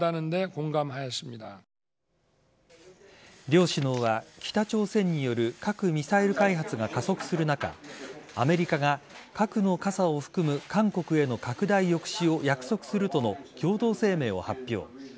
両首脳は北朝鮮による核・ミサイル開発が加速する中アメリカが核の傘を含む韓国への拡大抑止を約束するとの共同声明を発表。